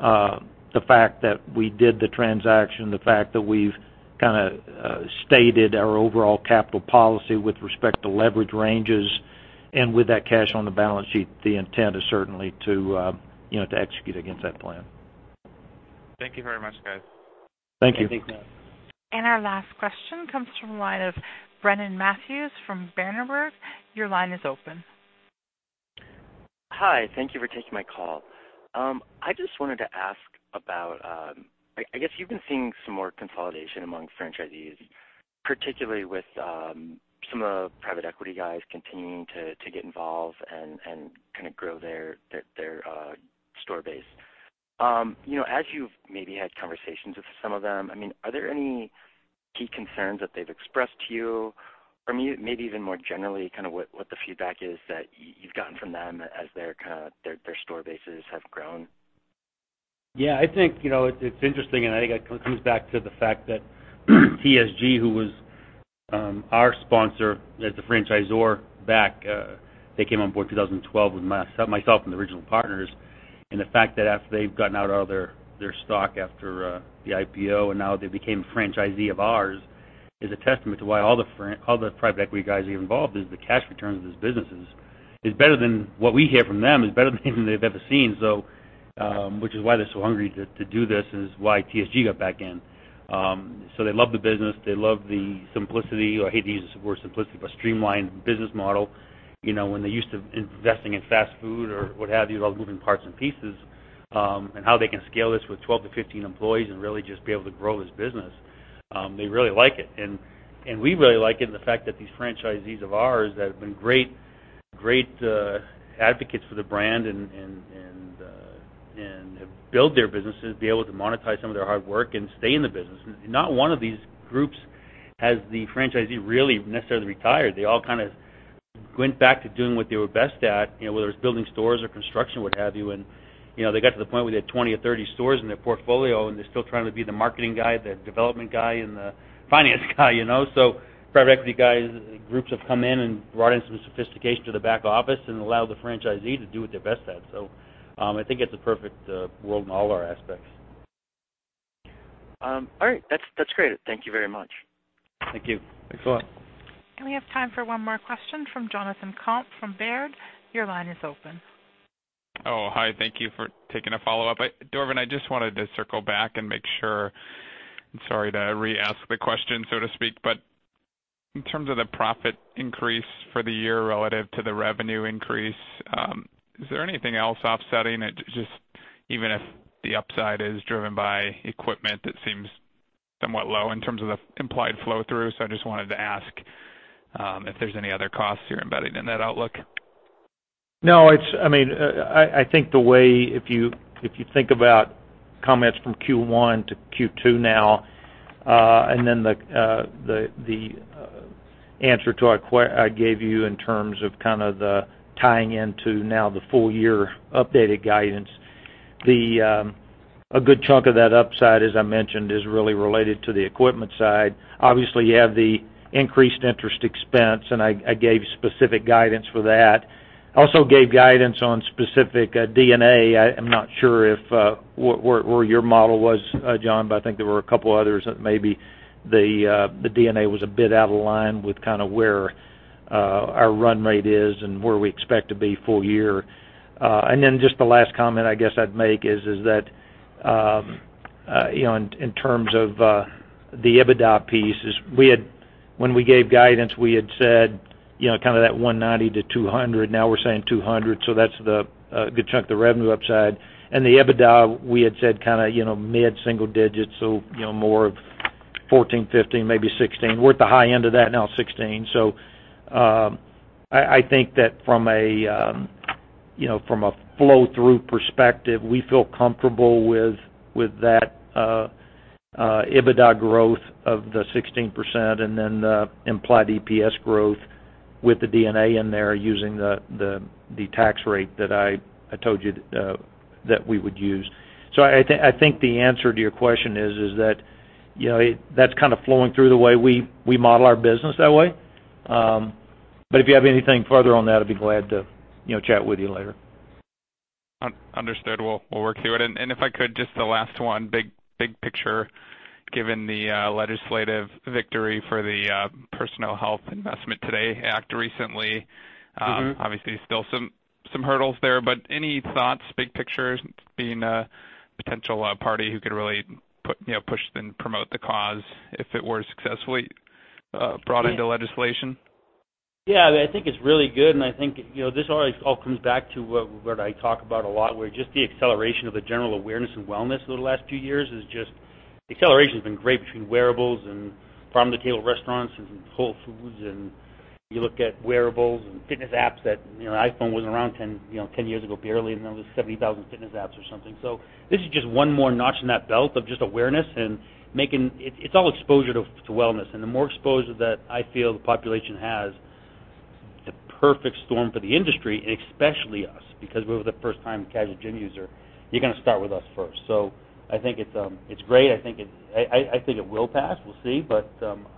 the fact that we did the transaction, the fact that we've kind of stated our overall capital policy with respect to leverage ranges and with that cash on the balance sheet, the intent is certainly to execute against that plan. Thank you very much, guys. Thank you. Yeah, thanks, Matt. Our last question comes from the line of Brennan Matthews from Berenberg. Your line is open. Hi. Thank you for taking my call. I just wanted to ask about, I guess you've been seeing some more consolidation among franchisees, particularly with some of the private equity guys continuing to get involved and kind of grow their store base. As you've maybe had conversations with some of them, are there any key concerns that they've expressed to you? Or maybe even more generally, kind of what the feedback is that you've gotten from them as their store bases have grown? I think, it's interesting, and I think it comes back to the fact that TSG, who was our sponsor as the franchisor back, they came on board in 2012 with myself and the original partners, and the fact that after they've gotten out all their stock after the IPO, and now they became a franchisee of ours, is a testament to why all the private equity guys are involved is the cash returns of this businesses is better than, what we hear from them, is better than they've ever seen. Which is why they're so hungry to do this, and is why TSG got back in. They love the business. They love the simplicity, or I hate to use the word simplicity, but streamlined business model, when they're used to investing in fast food or what have you, all the moving parts and pieces, and how they can scale this with 12 to 15 employees and really just be able to grow this business. They really like it. We really like it, and the fact that these franchisees of ours have been great advocates for the brand and have built their businesses, be able to monetize some of their hard work, and stay in the business. Not one of these groups has the franchisee really necessarily retired. They all kind of went back to doing what they were best at, whether it's building stores or construction, what have you, and they got to the point where they had 20 or 30 stores in their portfolio, and they're still trying to be the marketing guy, the development guy, and the finance guy, private equity guys, groups have come in and brought in some sophistication to the back office and allowed the franchisee to do what they're best at. I think it's a perfect world in all our aspects. All right. That's great. Thank you very much. Thank you. Thanks a lot. We have time for one more question from Jonathan Komp from Baird. Your line is open. Hi. Thank you for taking a follow-up. Dorvin, I just wanted to circle back and make sure, I'm sorry to re-ask the question, so to speak, but in terms of the profit increase for the year relative to the revenue increase, is there anything else offsetting it? Just even if the upside is driven by equipment that seems somewhat low in terms of the implied flow-through. I just wanted to ask, if there's any other costs you're embedding in that outlook. No. If you think about comments from Q1 to Q2 now, the answer I gave you in terms of the tying into now the full-year updated guidance, a good chunk of that upside, as I mentioned, is really related to the equipment side. Obviously, you have the increased interest expense, and I gave specific guidance for that. I also gave guidance on specific D&A. I am not sure where your model was, John, but I think there were a couple others that maybe the D&A was a bit out of line with where our run rate is and where we expect to be full year. Just the last comment I guess I'd make is that, in terms of the EBITDA piece is, when we gave guidance, we had said, that 190 to 200. Now we're saying 200. That's the good chunk of the revenue upside and the EBITDA, we had said mid-single digits. More of 14, 15, maybe 16. We're at the high end of that now, 16. I think that from a flow-through perspective, we feel comfortable with that EBITDA growth of the 16% and then the implied EPS growth with the D&A in there using the tax rate that I told you that we would use. I think the answer to your question is that's kind of flowing through the way we model our business that way. If you have anything further on that, I'd be glad to chat with you later. Understood. We'll work through it. If I could, just the last one, big picture, given the legislative victory for the Personal Health Investment Today Act recently. Obviously, still some hurdles there. Any thoughts, big picture, being a potential party who could really push and promote the cause if it were successfully brought into legislation? I think it's really good, I think this always all comes back to what I talk about a lot, where just the acceleration of the general awareness and wellness over the last few years. Acceleration's been great between wearables and farm-to-table restaurants and Whole Foods, and you look at wearables and fitness apps that iPhone wasn't around 10 years ago, barely, and now there's 70,000 fitness apps or something. This is just one more notch in that belt of just awareness and making it all exposure to wellness. The more exposure that I feel the population has, the perfect storm for the industry, and especially us, because we were the first-time casual gym user, you're going to start with us first. I think it's great. I think it will pass, we'll see, but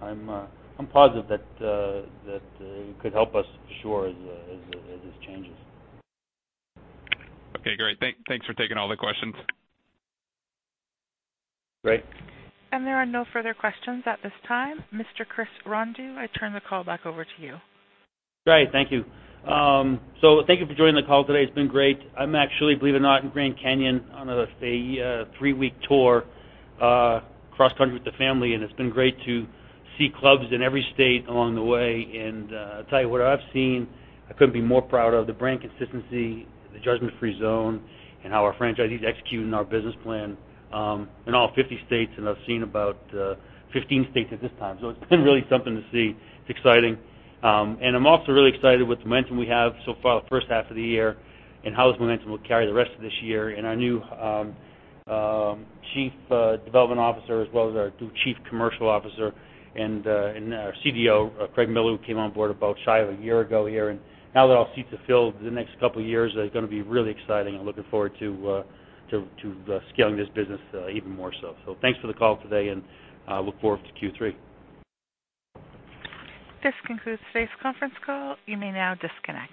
I'm positive that it could help us, sure, as this changes. Okay, great. Thanks for taking all the questions. Great. There are no further questions at this time. Mr. Chris Rondeau, I turn the call back over to you. Great, thank you. Thank you for joining the call today. It's been great. I'm actually, believe it or not, in Grand Canyon on a three-week tour cross-country with the family, and it's been great to see clubs in every state along the way. I'll tell you what I've seen, I couldn't be more proud of the brand consistency, the Judgement Free Zone, and how our franchisees execute in our business plan, in all 50 states, and I've seen about 15 states at this time. It's been really something to see. It's exciting. I'm also really excited with the momentum we have so far the first half of the year and how this momentum will carry the rest of this year and our new Chief Development Officer, as well as our Chief Commercial Officer and our CDO, Craig Miller, who came on board about shy of one year ago here. Now that all seats are filled, the next couple of years are going to be really exciting. I'm looking forward to scaling this business even more so. Thanks for the call today, and I look forward to Q3. This concludes today's conference call. You may now disconnect.